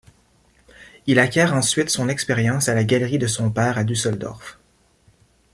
Il acquiert ensuite son expérience à la galerie de son père à Düsseldorf.